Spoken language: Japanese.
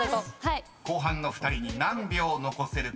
［後半の２人に何秒残せるか］